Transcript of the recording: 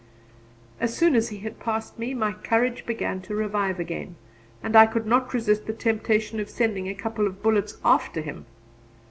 As soon as he had passed me, my courage began to revive again, and I could not resist the temptation of sending a couple of bullets after him.